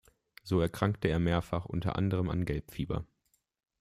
So erkrankte er mehrfach, unter anderem an Gelbfieber.